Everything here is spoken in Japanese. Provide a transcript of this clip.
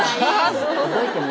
覚えてね。